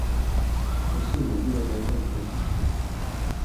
Nasuye umujyi wa data mu mpeshyi ishize.